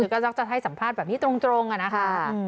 ก็มักจะให้สัมภาษณ์แบบนี้ตรงอะนะคะ